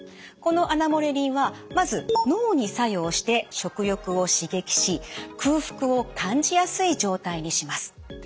このアナモレリンはまず脳に作用して食欲を刺激し空腹を感じやすい状態にします。